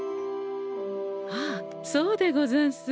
ああそうでござんす！